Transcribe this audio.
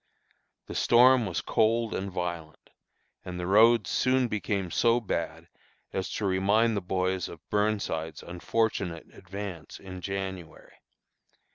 The storm was cold and violent, and the roads soon became so bad as to remind the boys of Burnside's unfortunate advance in January.